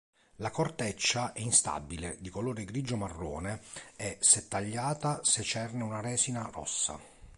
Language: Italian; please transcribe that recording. La corteccia è instabile, di colore grigio-marrone e, se tagliata, secerne una resina rossa.